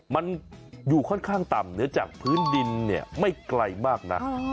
มันอยู่ค่อนข้างต่ำเหนือจากพื้นดินเนี่ยไม่ไกลมากนัก